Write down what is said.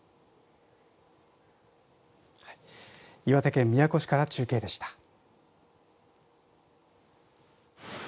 岩手県宮古市から中継でした。